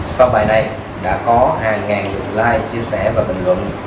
sau bài này đã có hai lượt like chia sẻ và bình luận